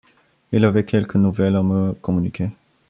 Il avait quelque nouvelle à me communiquer.